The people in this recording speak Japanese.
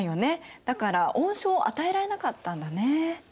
だから恩賞を与えられなかったんだね。